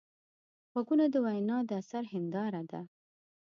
غوږونه د وینا د اثر هنداره ده